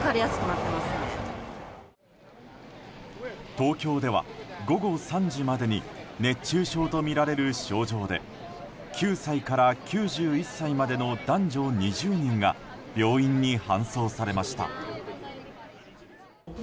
東京では、午後３時までに熱中症とみられる症状で９歳から９１歳の男女２０人が病院に搬送されました。